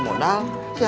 mau jualan apa aja